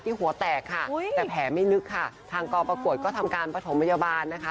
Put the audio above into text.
หัวแตกค่ะแต่แผลไม่ลึกค่ะทางกองประกวดก็ทำการประถมพยาบาลนะคะ